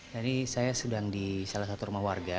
jadi saya sedang di salah satu rumah warga